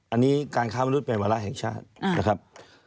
อันนี้การค้ามนุษย์เป็นวาระแห่งชาตินะครับ